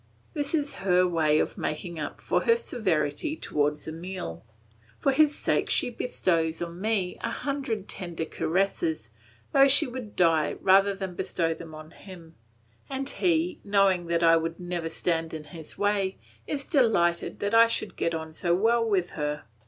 This is her way of making up for her severity towards Emile. For his sake she bestows on me a hundred tender caresses, though she would die rather than bestow them on him; and he, knowing that I would never stand in his way, is delighted that I should get on so well with her.